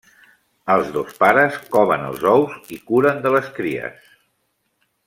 Els dos pares coven els ous i curen de les cries.